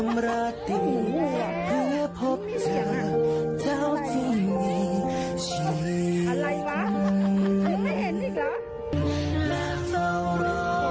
ไม่เห็นอีกหรอ